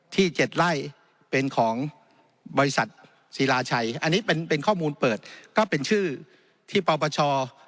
ที่๗ไร่เป็นของบริษัทศิลาชัยอันนี้เป็นข้อมูลเปิดก็เป็นชื่อที่ปปช